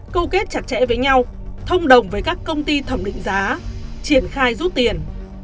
câu kết chặt chẽ với nhau thông đồng với các công ty thẩm định giá triển khai rút tiền